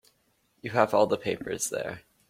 You have all the papers there.